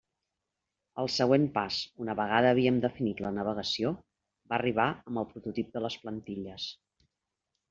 El següent pas, una vegada havíem definit la navegació, va arribar amb el prototip de les plantilles.